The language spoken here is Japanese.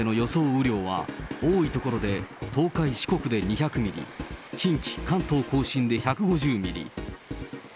雨量は、多い所で東海、四国で２００ミリ、近畿、関東甲信で１５０ミリ。